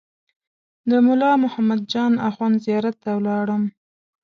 د ملا محمد جان اخوند زیارت ته ولاړم.